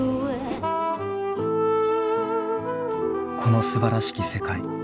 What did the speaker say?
「この素晴らしき世界」。